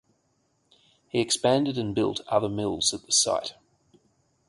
He expanded and built other mills at the site.